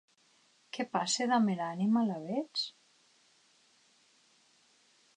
Qué passe damb era anima, alavetz?